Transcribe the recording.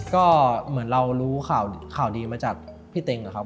ก็เหมือนเรารู้ข่าวดีมาจากพี่เต็งนะครับ